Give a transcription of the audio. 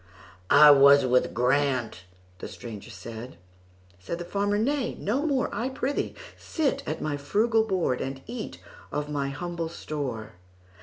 "I was with Grant"—the stranger said; Said the farmer, "Nay, no more,—I prithee sit at my frugal board, And eat of my humble store.